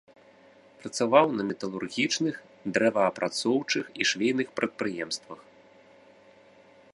Працаваў на металургічных, дрэваапрацоўчых і швейных прадпрыемствах.